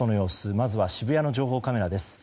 まずは渋谷の情報カメラです。